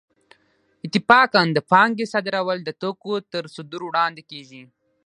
اتفاقاً د پانګې صادرول د توکو تر صدور وړاندې کېږي